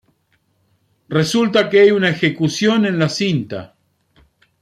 Resulta que hay una ejecución en la cinta.